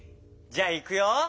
じゃあいくよ。